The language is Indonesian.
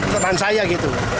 teman saya gitu